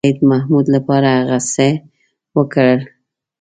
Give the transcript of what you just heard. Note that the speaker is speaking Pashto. سیدمحمود لپاره هغه څه وکړل.